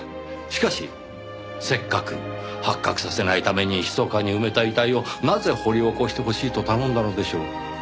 しかしせっかく発覚させないためにひそかに埋めた遺体をなぜ掘り起こしてほしいと頼んだのでしょう？